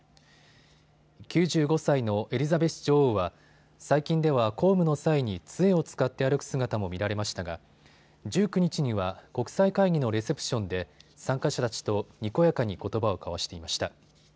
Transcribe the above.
９５歳のエリザベス女王は最近では公務の際につえを使って歩く姿も見られましたが１９日には国際会議のレセプションで参加者たちと、にこやかにことばを交わしていました。